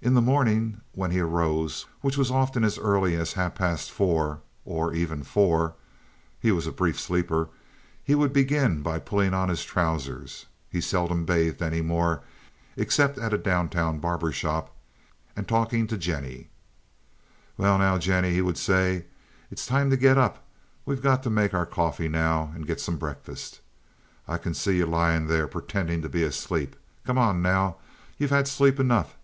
In the morning when he arose, which was often as early as half past four, or even four—he was a brief sleeper—he would begin by pulling on his trousers (he seldom bathed any more except at a down town barber shop) and talking to Jennie. "Git up, now, Jinnie," he would say. "It's time to git up. We've got to make our coffee now and git some breakfast. I can see yuh, lyin' there, pertendin' to be asleep. Come on, now! You've had sleep enough.